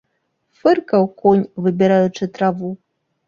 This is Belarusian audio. Фыркаў конь, выбіраючы траву.